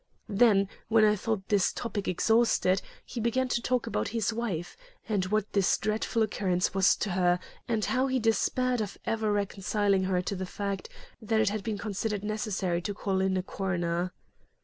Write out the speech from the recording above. Then, when I thought this topic exhausted, he began to talk about his wife, and what this dreadful occurrence was to her and how he despaired of ever reconciling her to the fact that it had been considered necessary to call in a coroner.